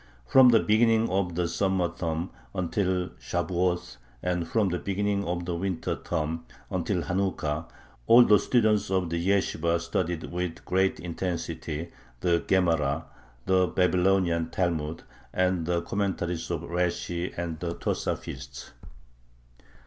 From the beginning of the summer term until Shabuoth and from the beginning of the winter term until Hanukkah all the students of the yeshibah studied with great intensity the Gemara [the Babylonian Talmud] and the commentaries of Rashi and the Tosafists.